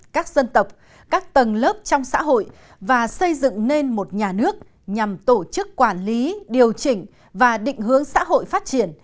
các dân tộc các tầng lớp trong xã hội và xây dựng nên một nhà nước nhằm tổ chức quản lý điều chỉnh và định hướng xã hội phát triển